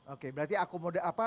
oke berarti akomodasi